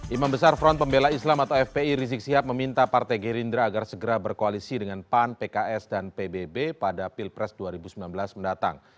imam besar front pembela islam atau fpi rizik sihab meminta partai gerindra agar segera berkoalisi dengan pan pks dan pbb pada pilpres dua ribu sembilan belas mendatang